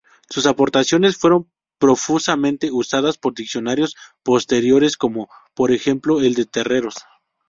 Sus aportaciones fueron profusamente usadas por diccionarios posteriores, como por ejemplo el de Terreros.